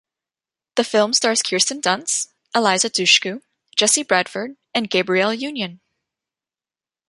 The film stars Kirsten Dunst, Eliza Dushku, Jesse Bradford, and Gabrielle Union.